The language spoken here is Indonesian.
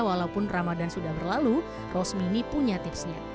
walaupun ramadan sudah berlalu rosmini punya tipsnya